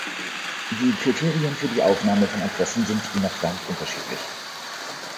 Die Kriterien für die Aufnahme von Adressen sind je nach Land unterschiedlich.